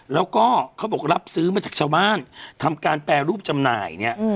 แล้วก็เขาบอกรับซื้อมาจากชาวบ้านทำการแปรรูปจำหน่ายเนี่ย